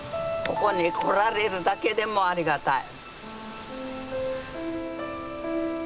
ここに来られるだけでもありがたい。